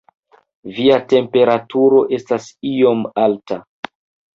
Via temperaturo estas iom alta.